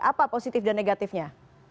apa positif dan negatifnya